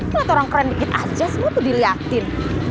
liat orang keren dikit aja semua tuh diliatin